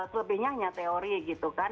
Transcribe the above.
selebihnya hanya teori gitu kan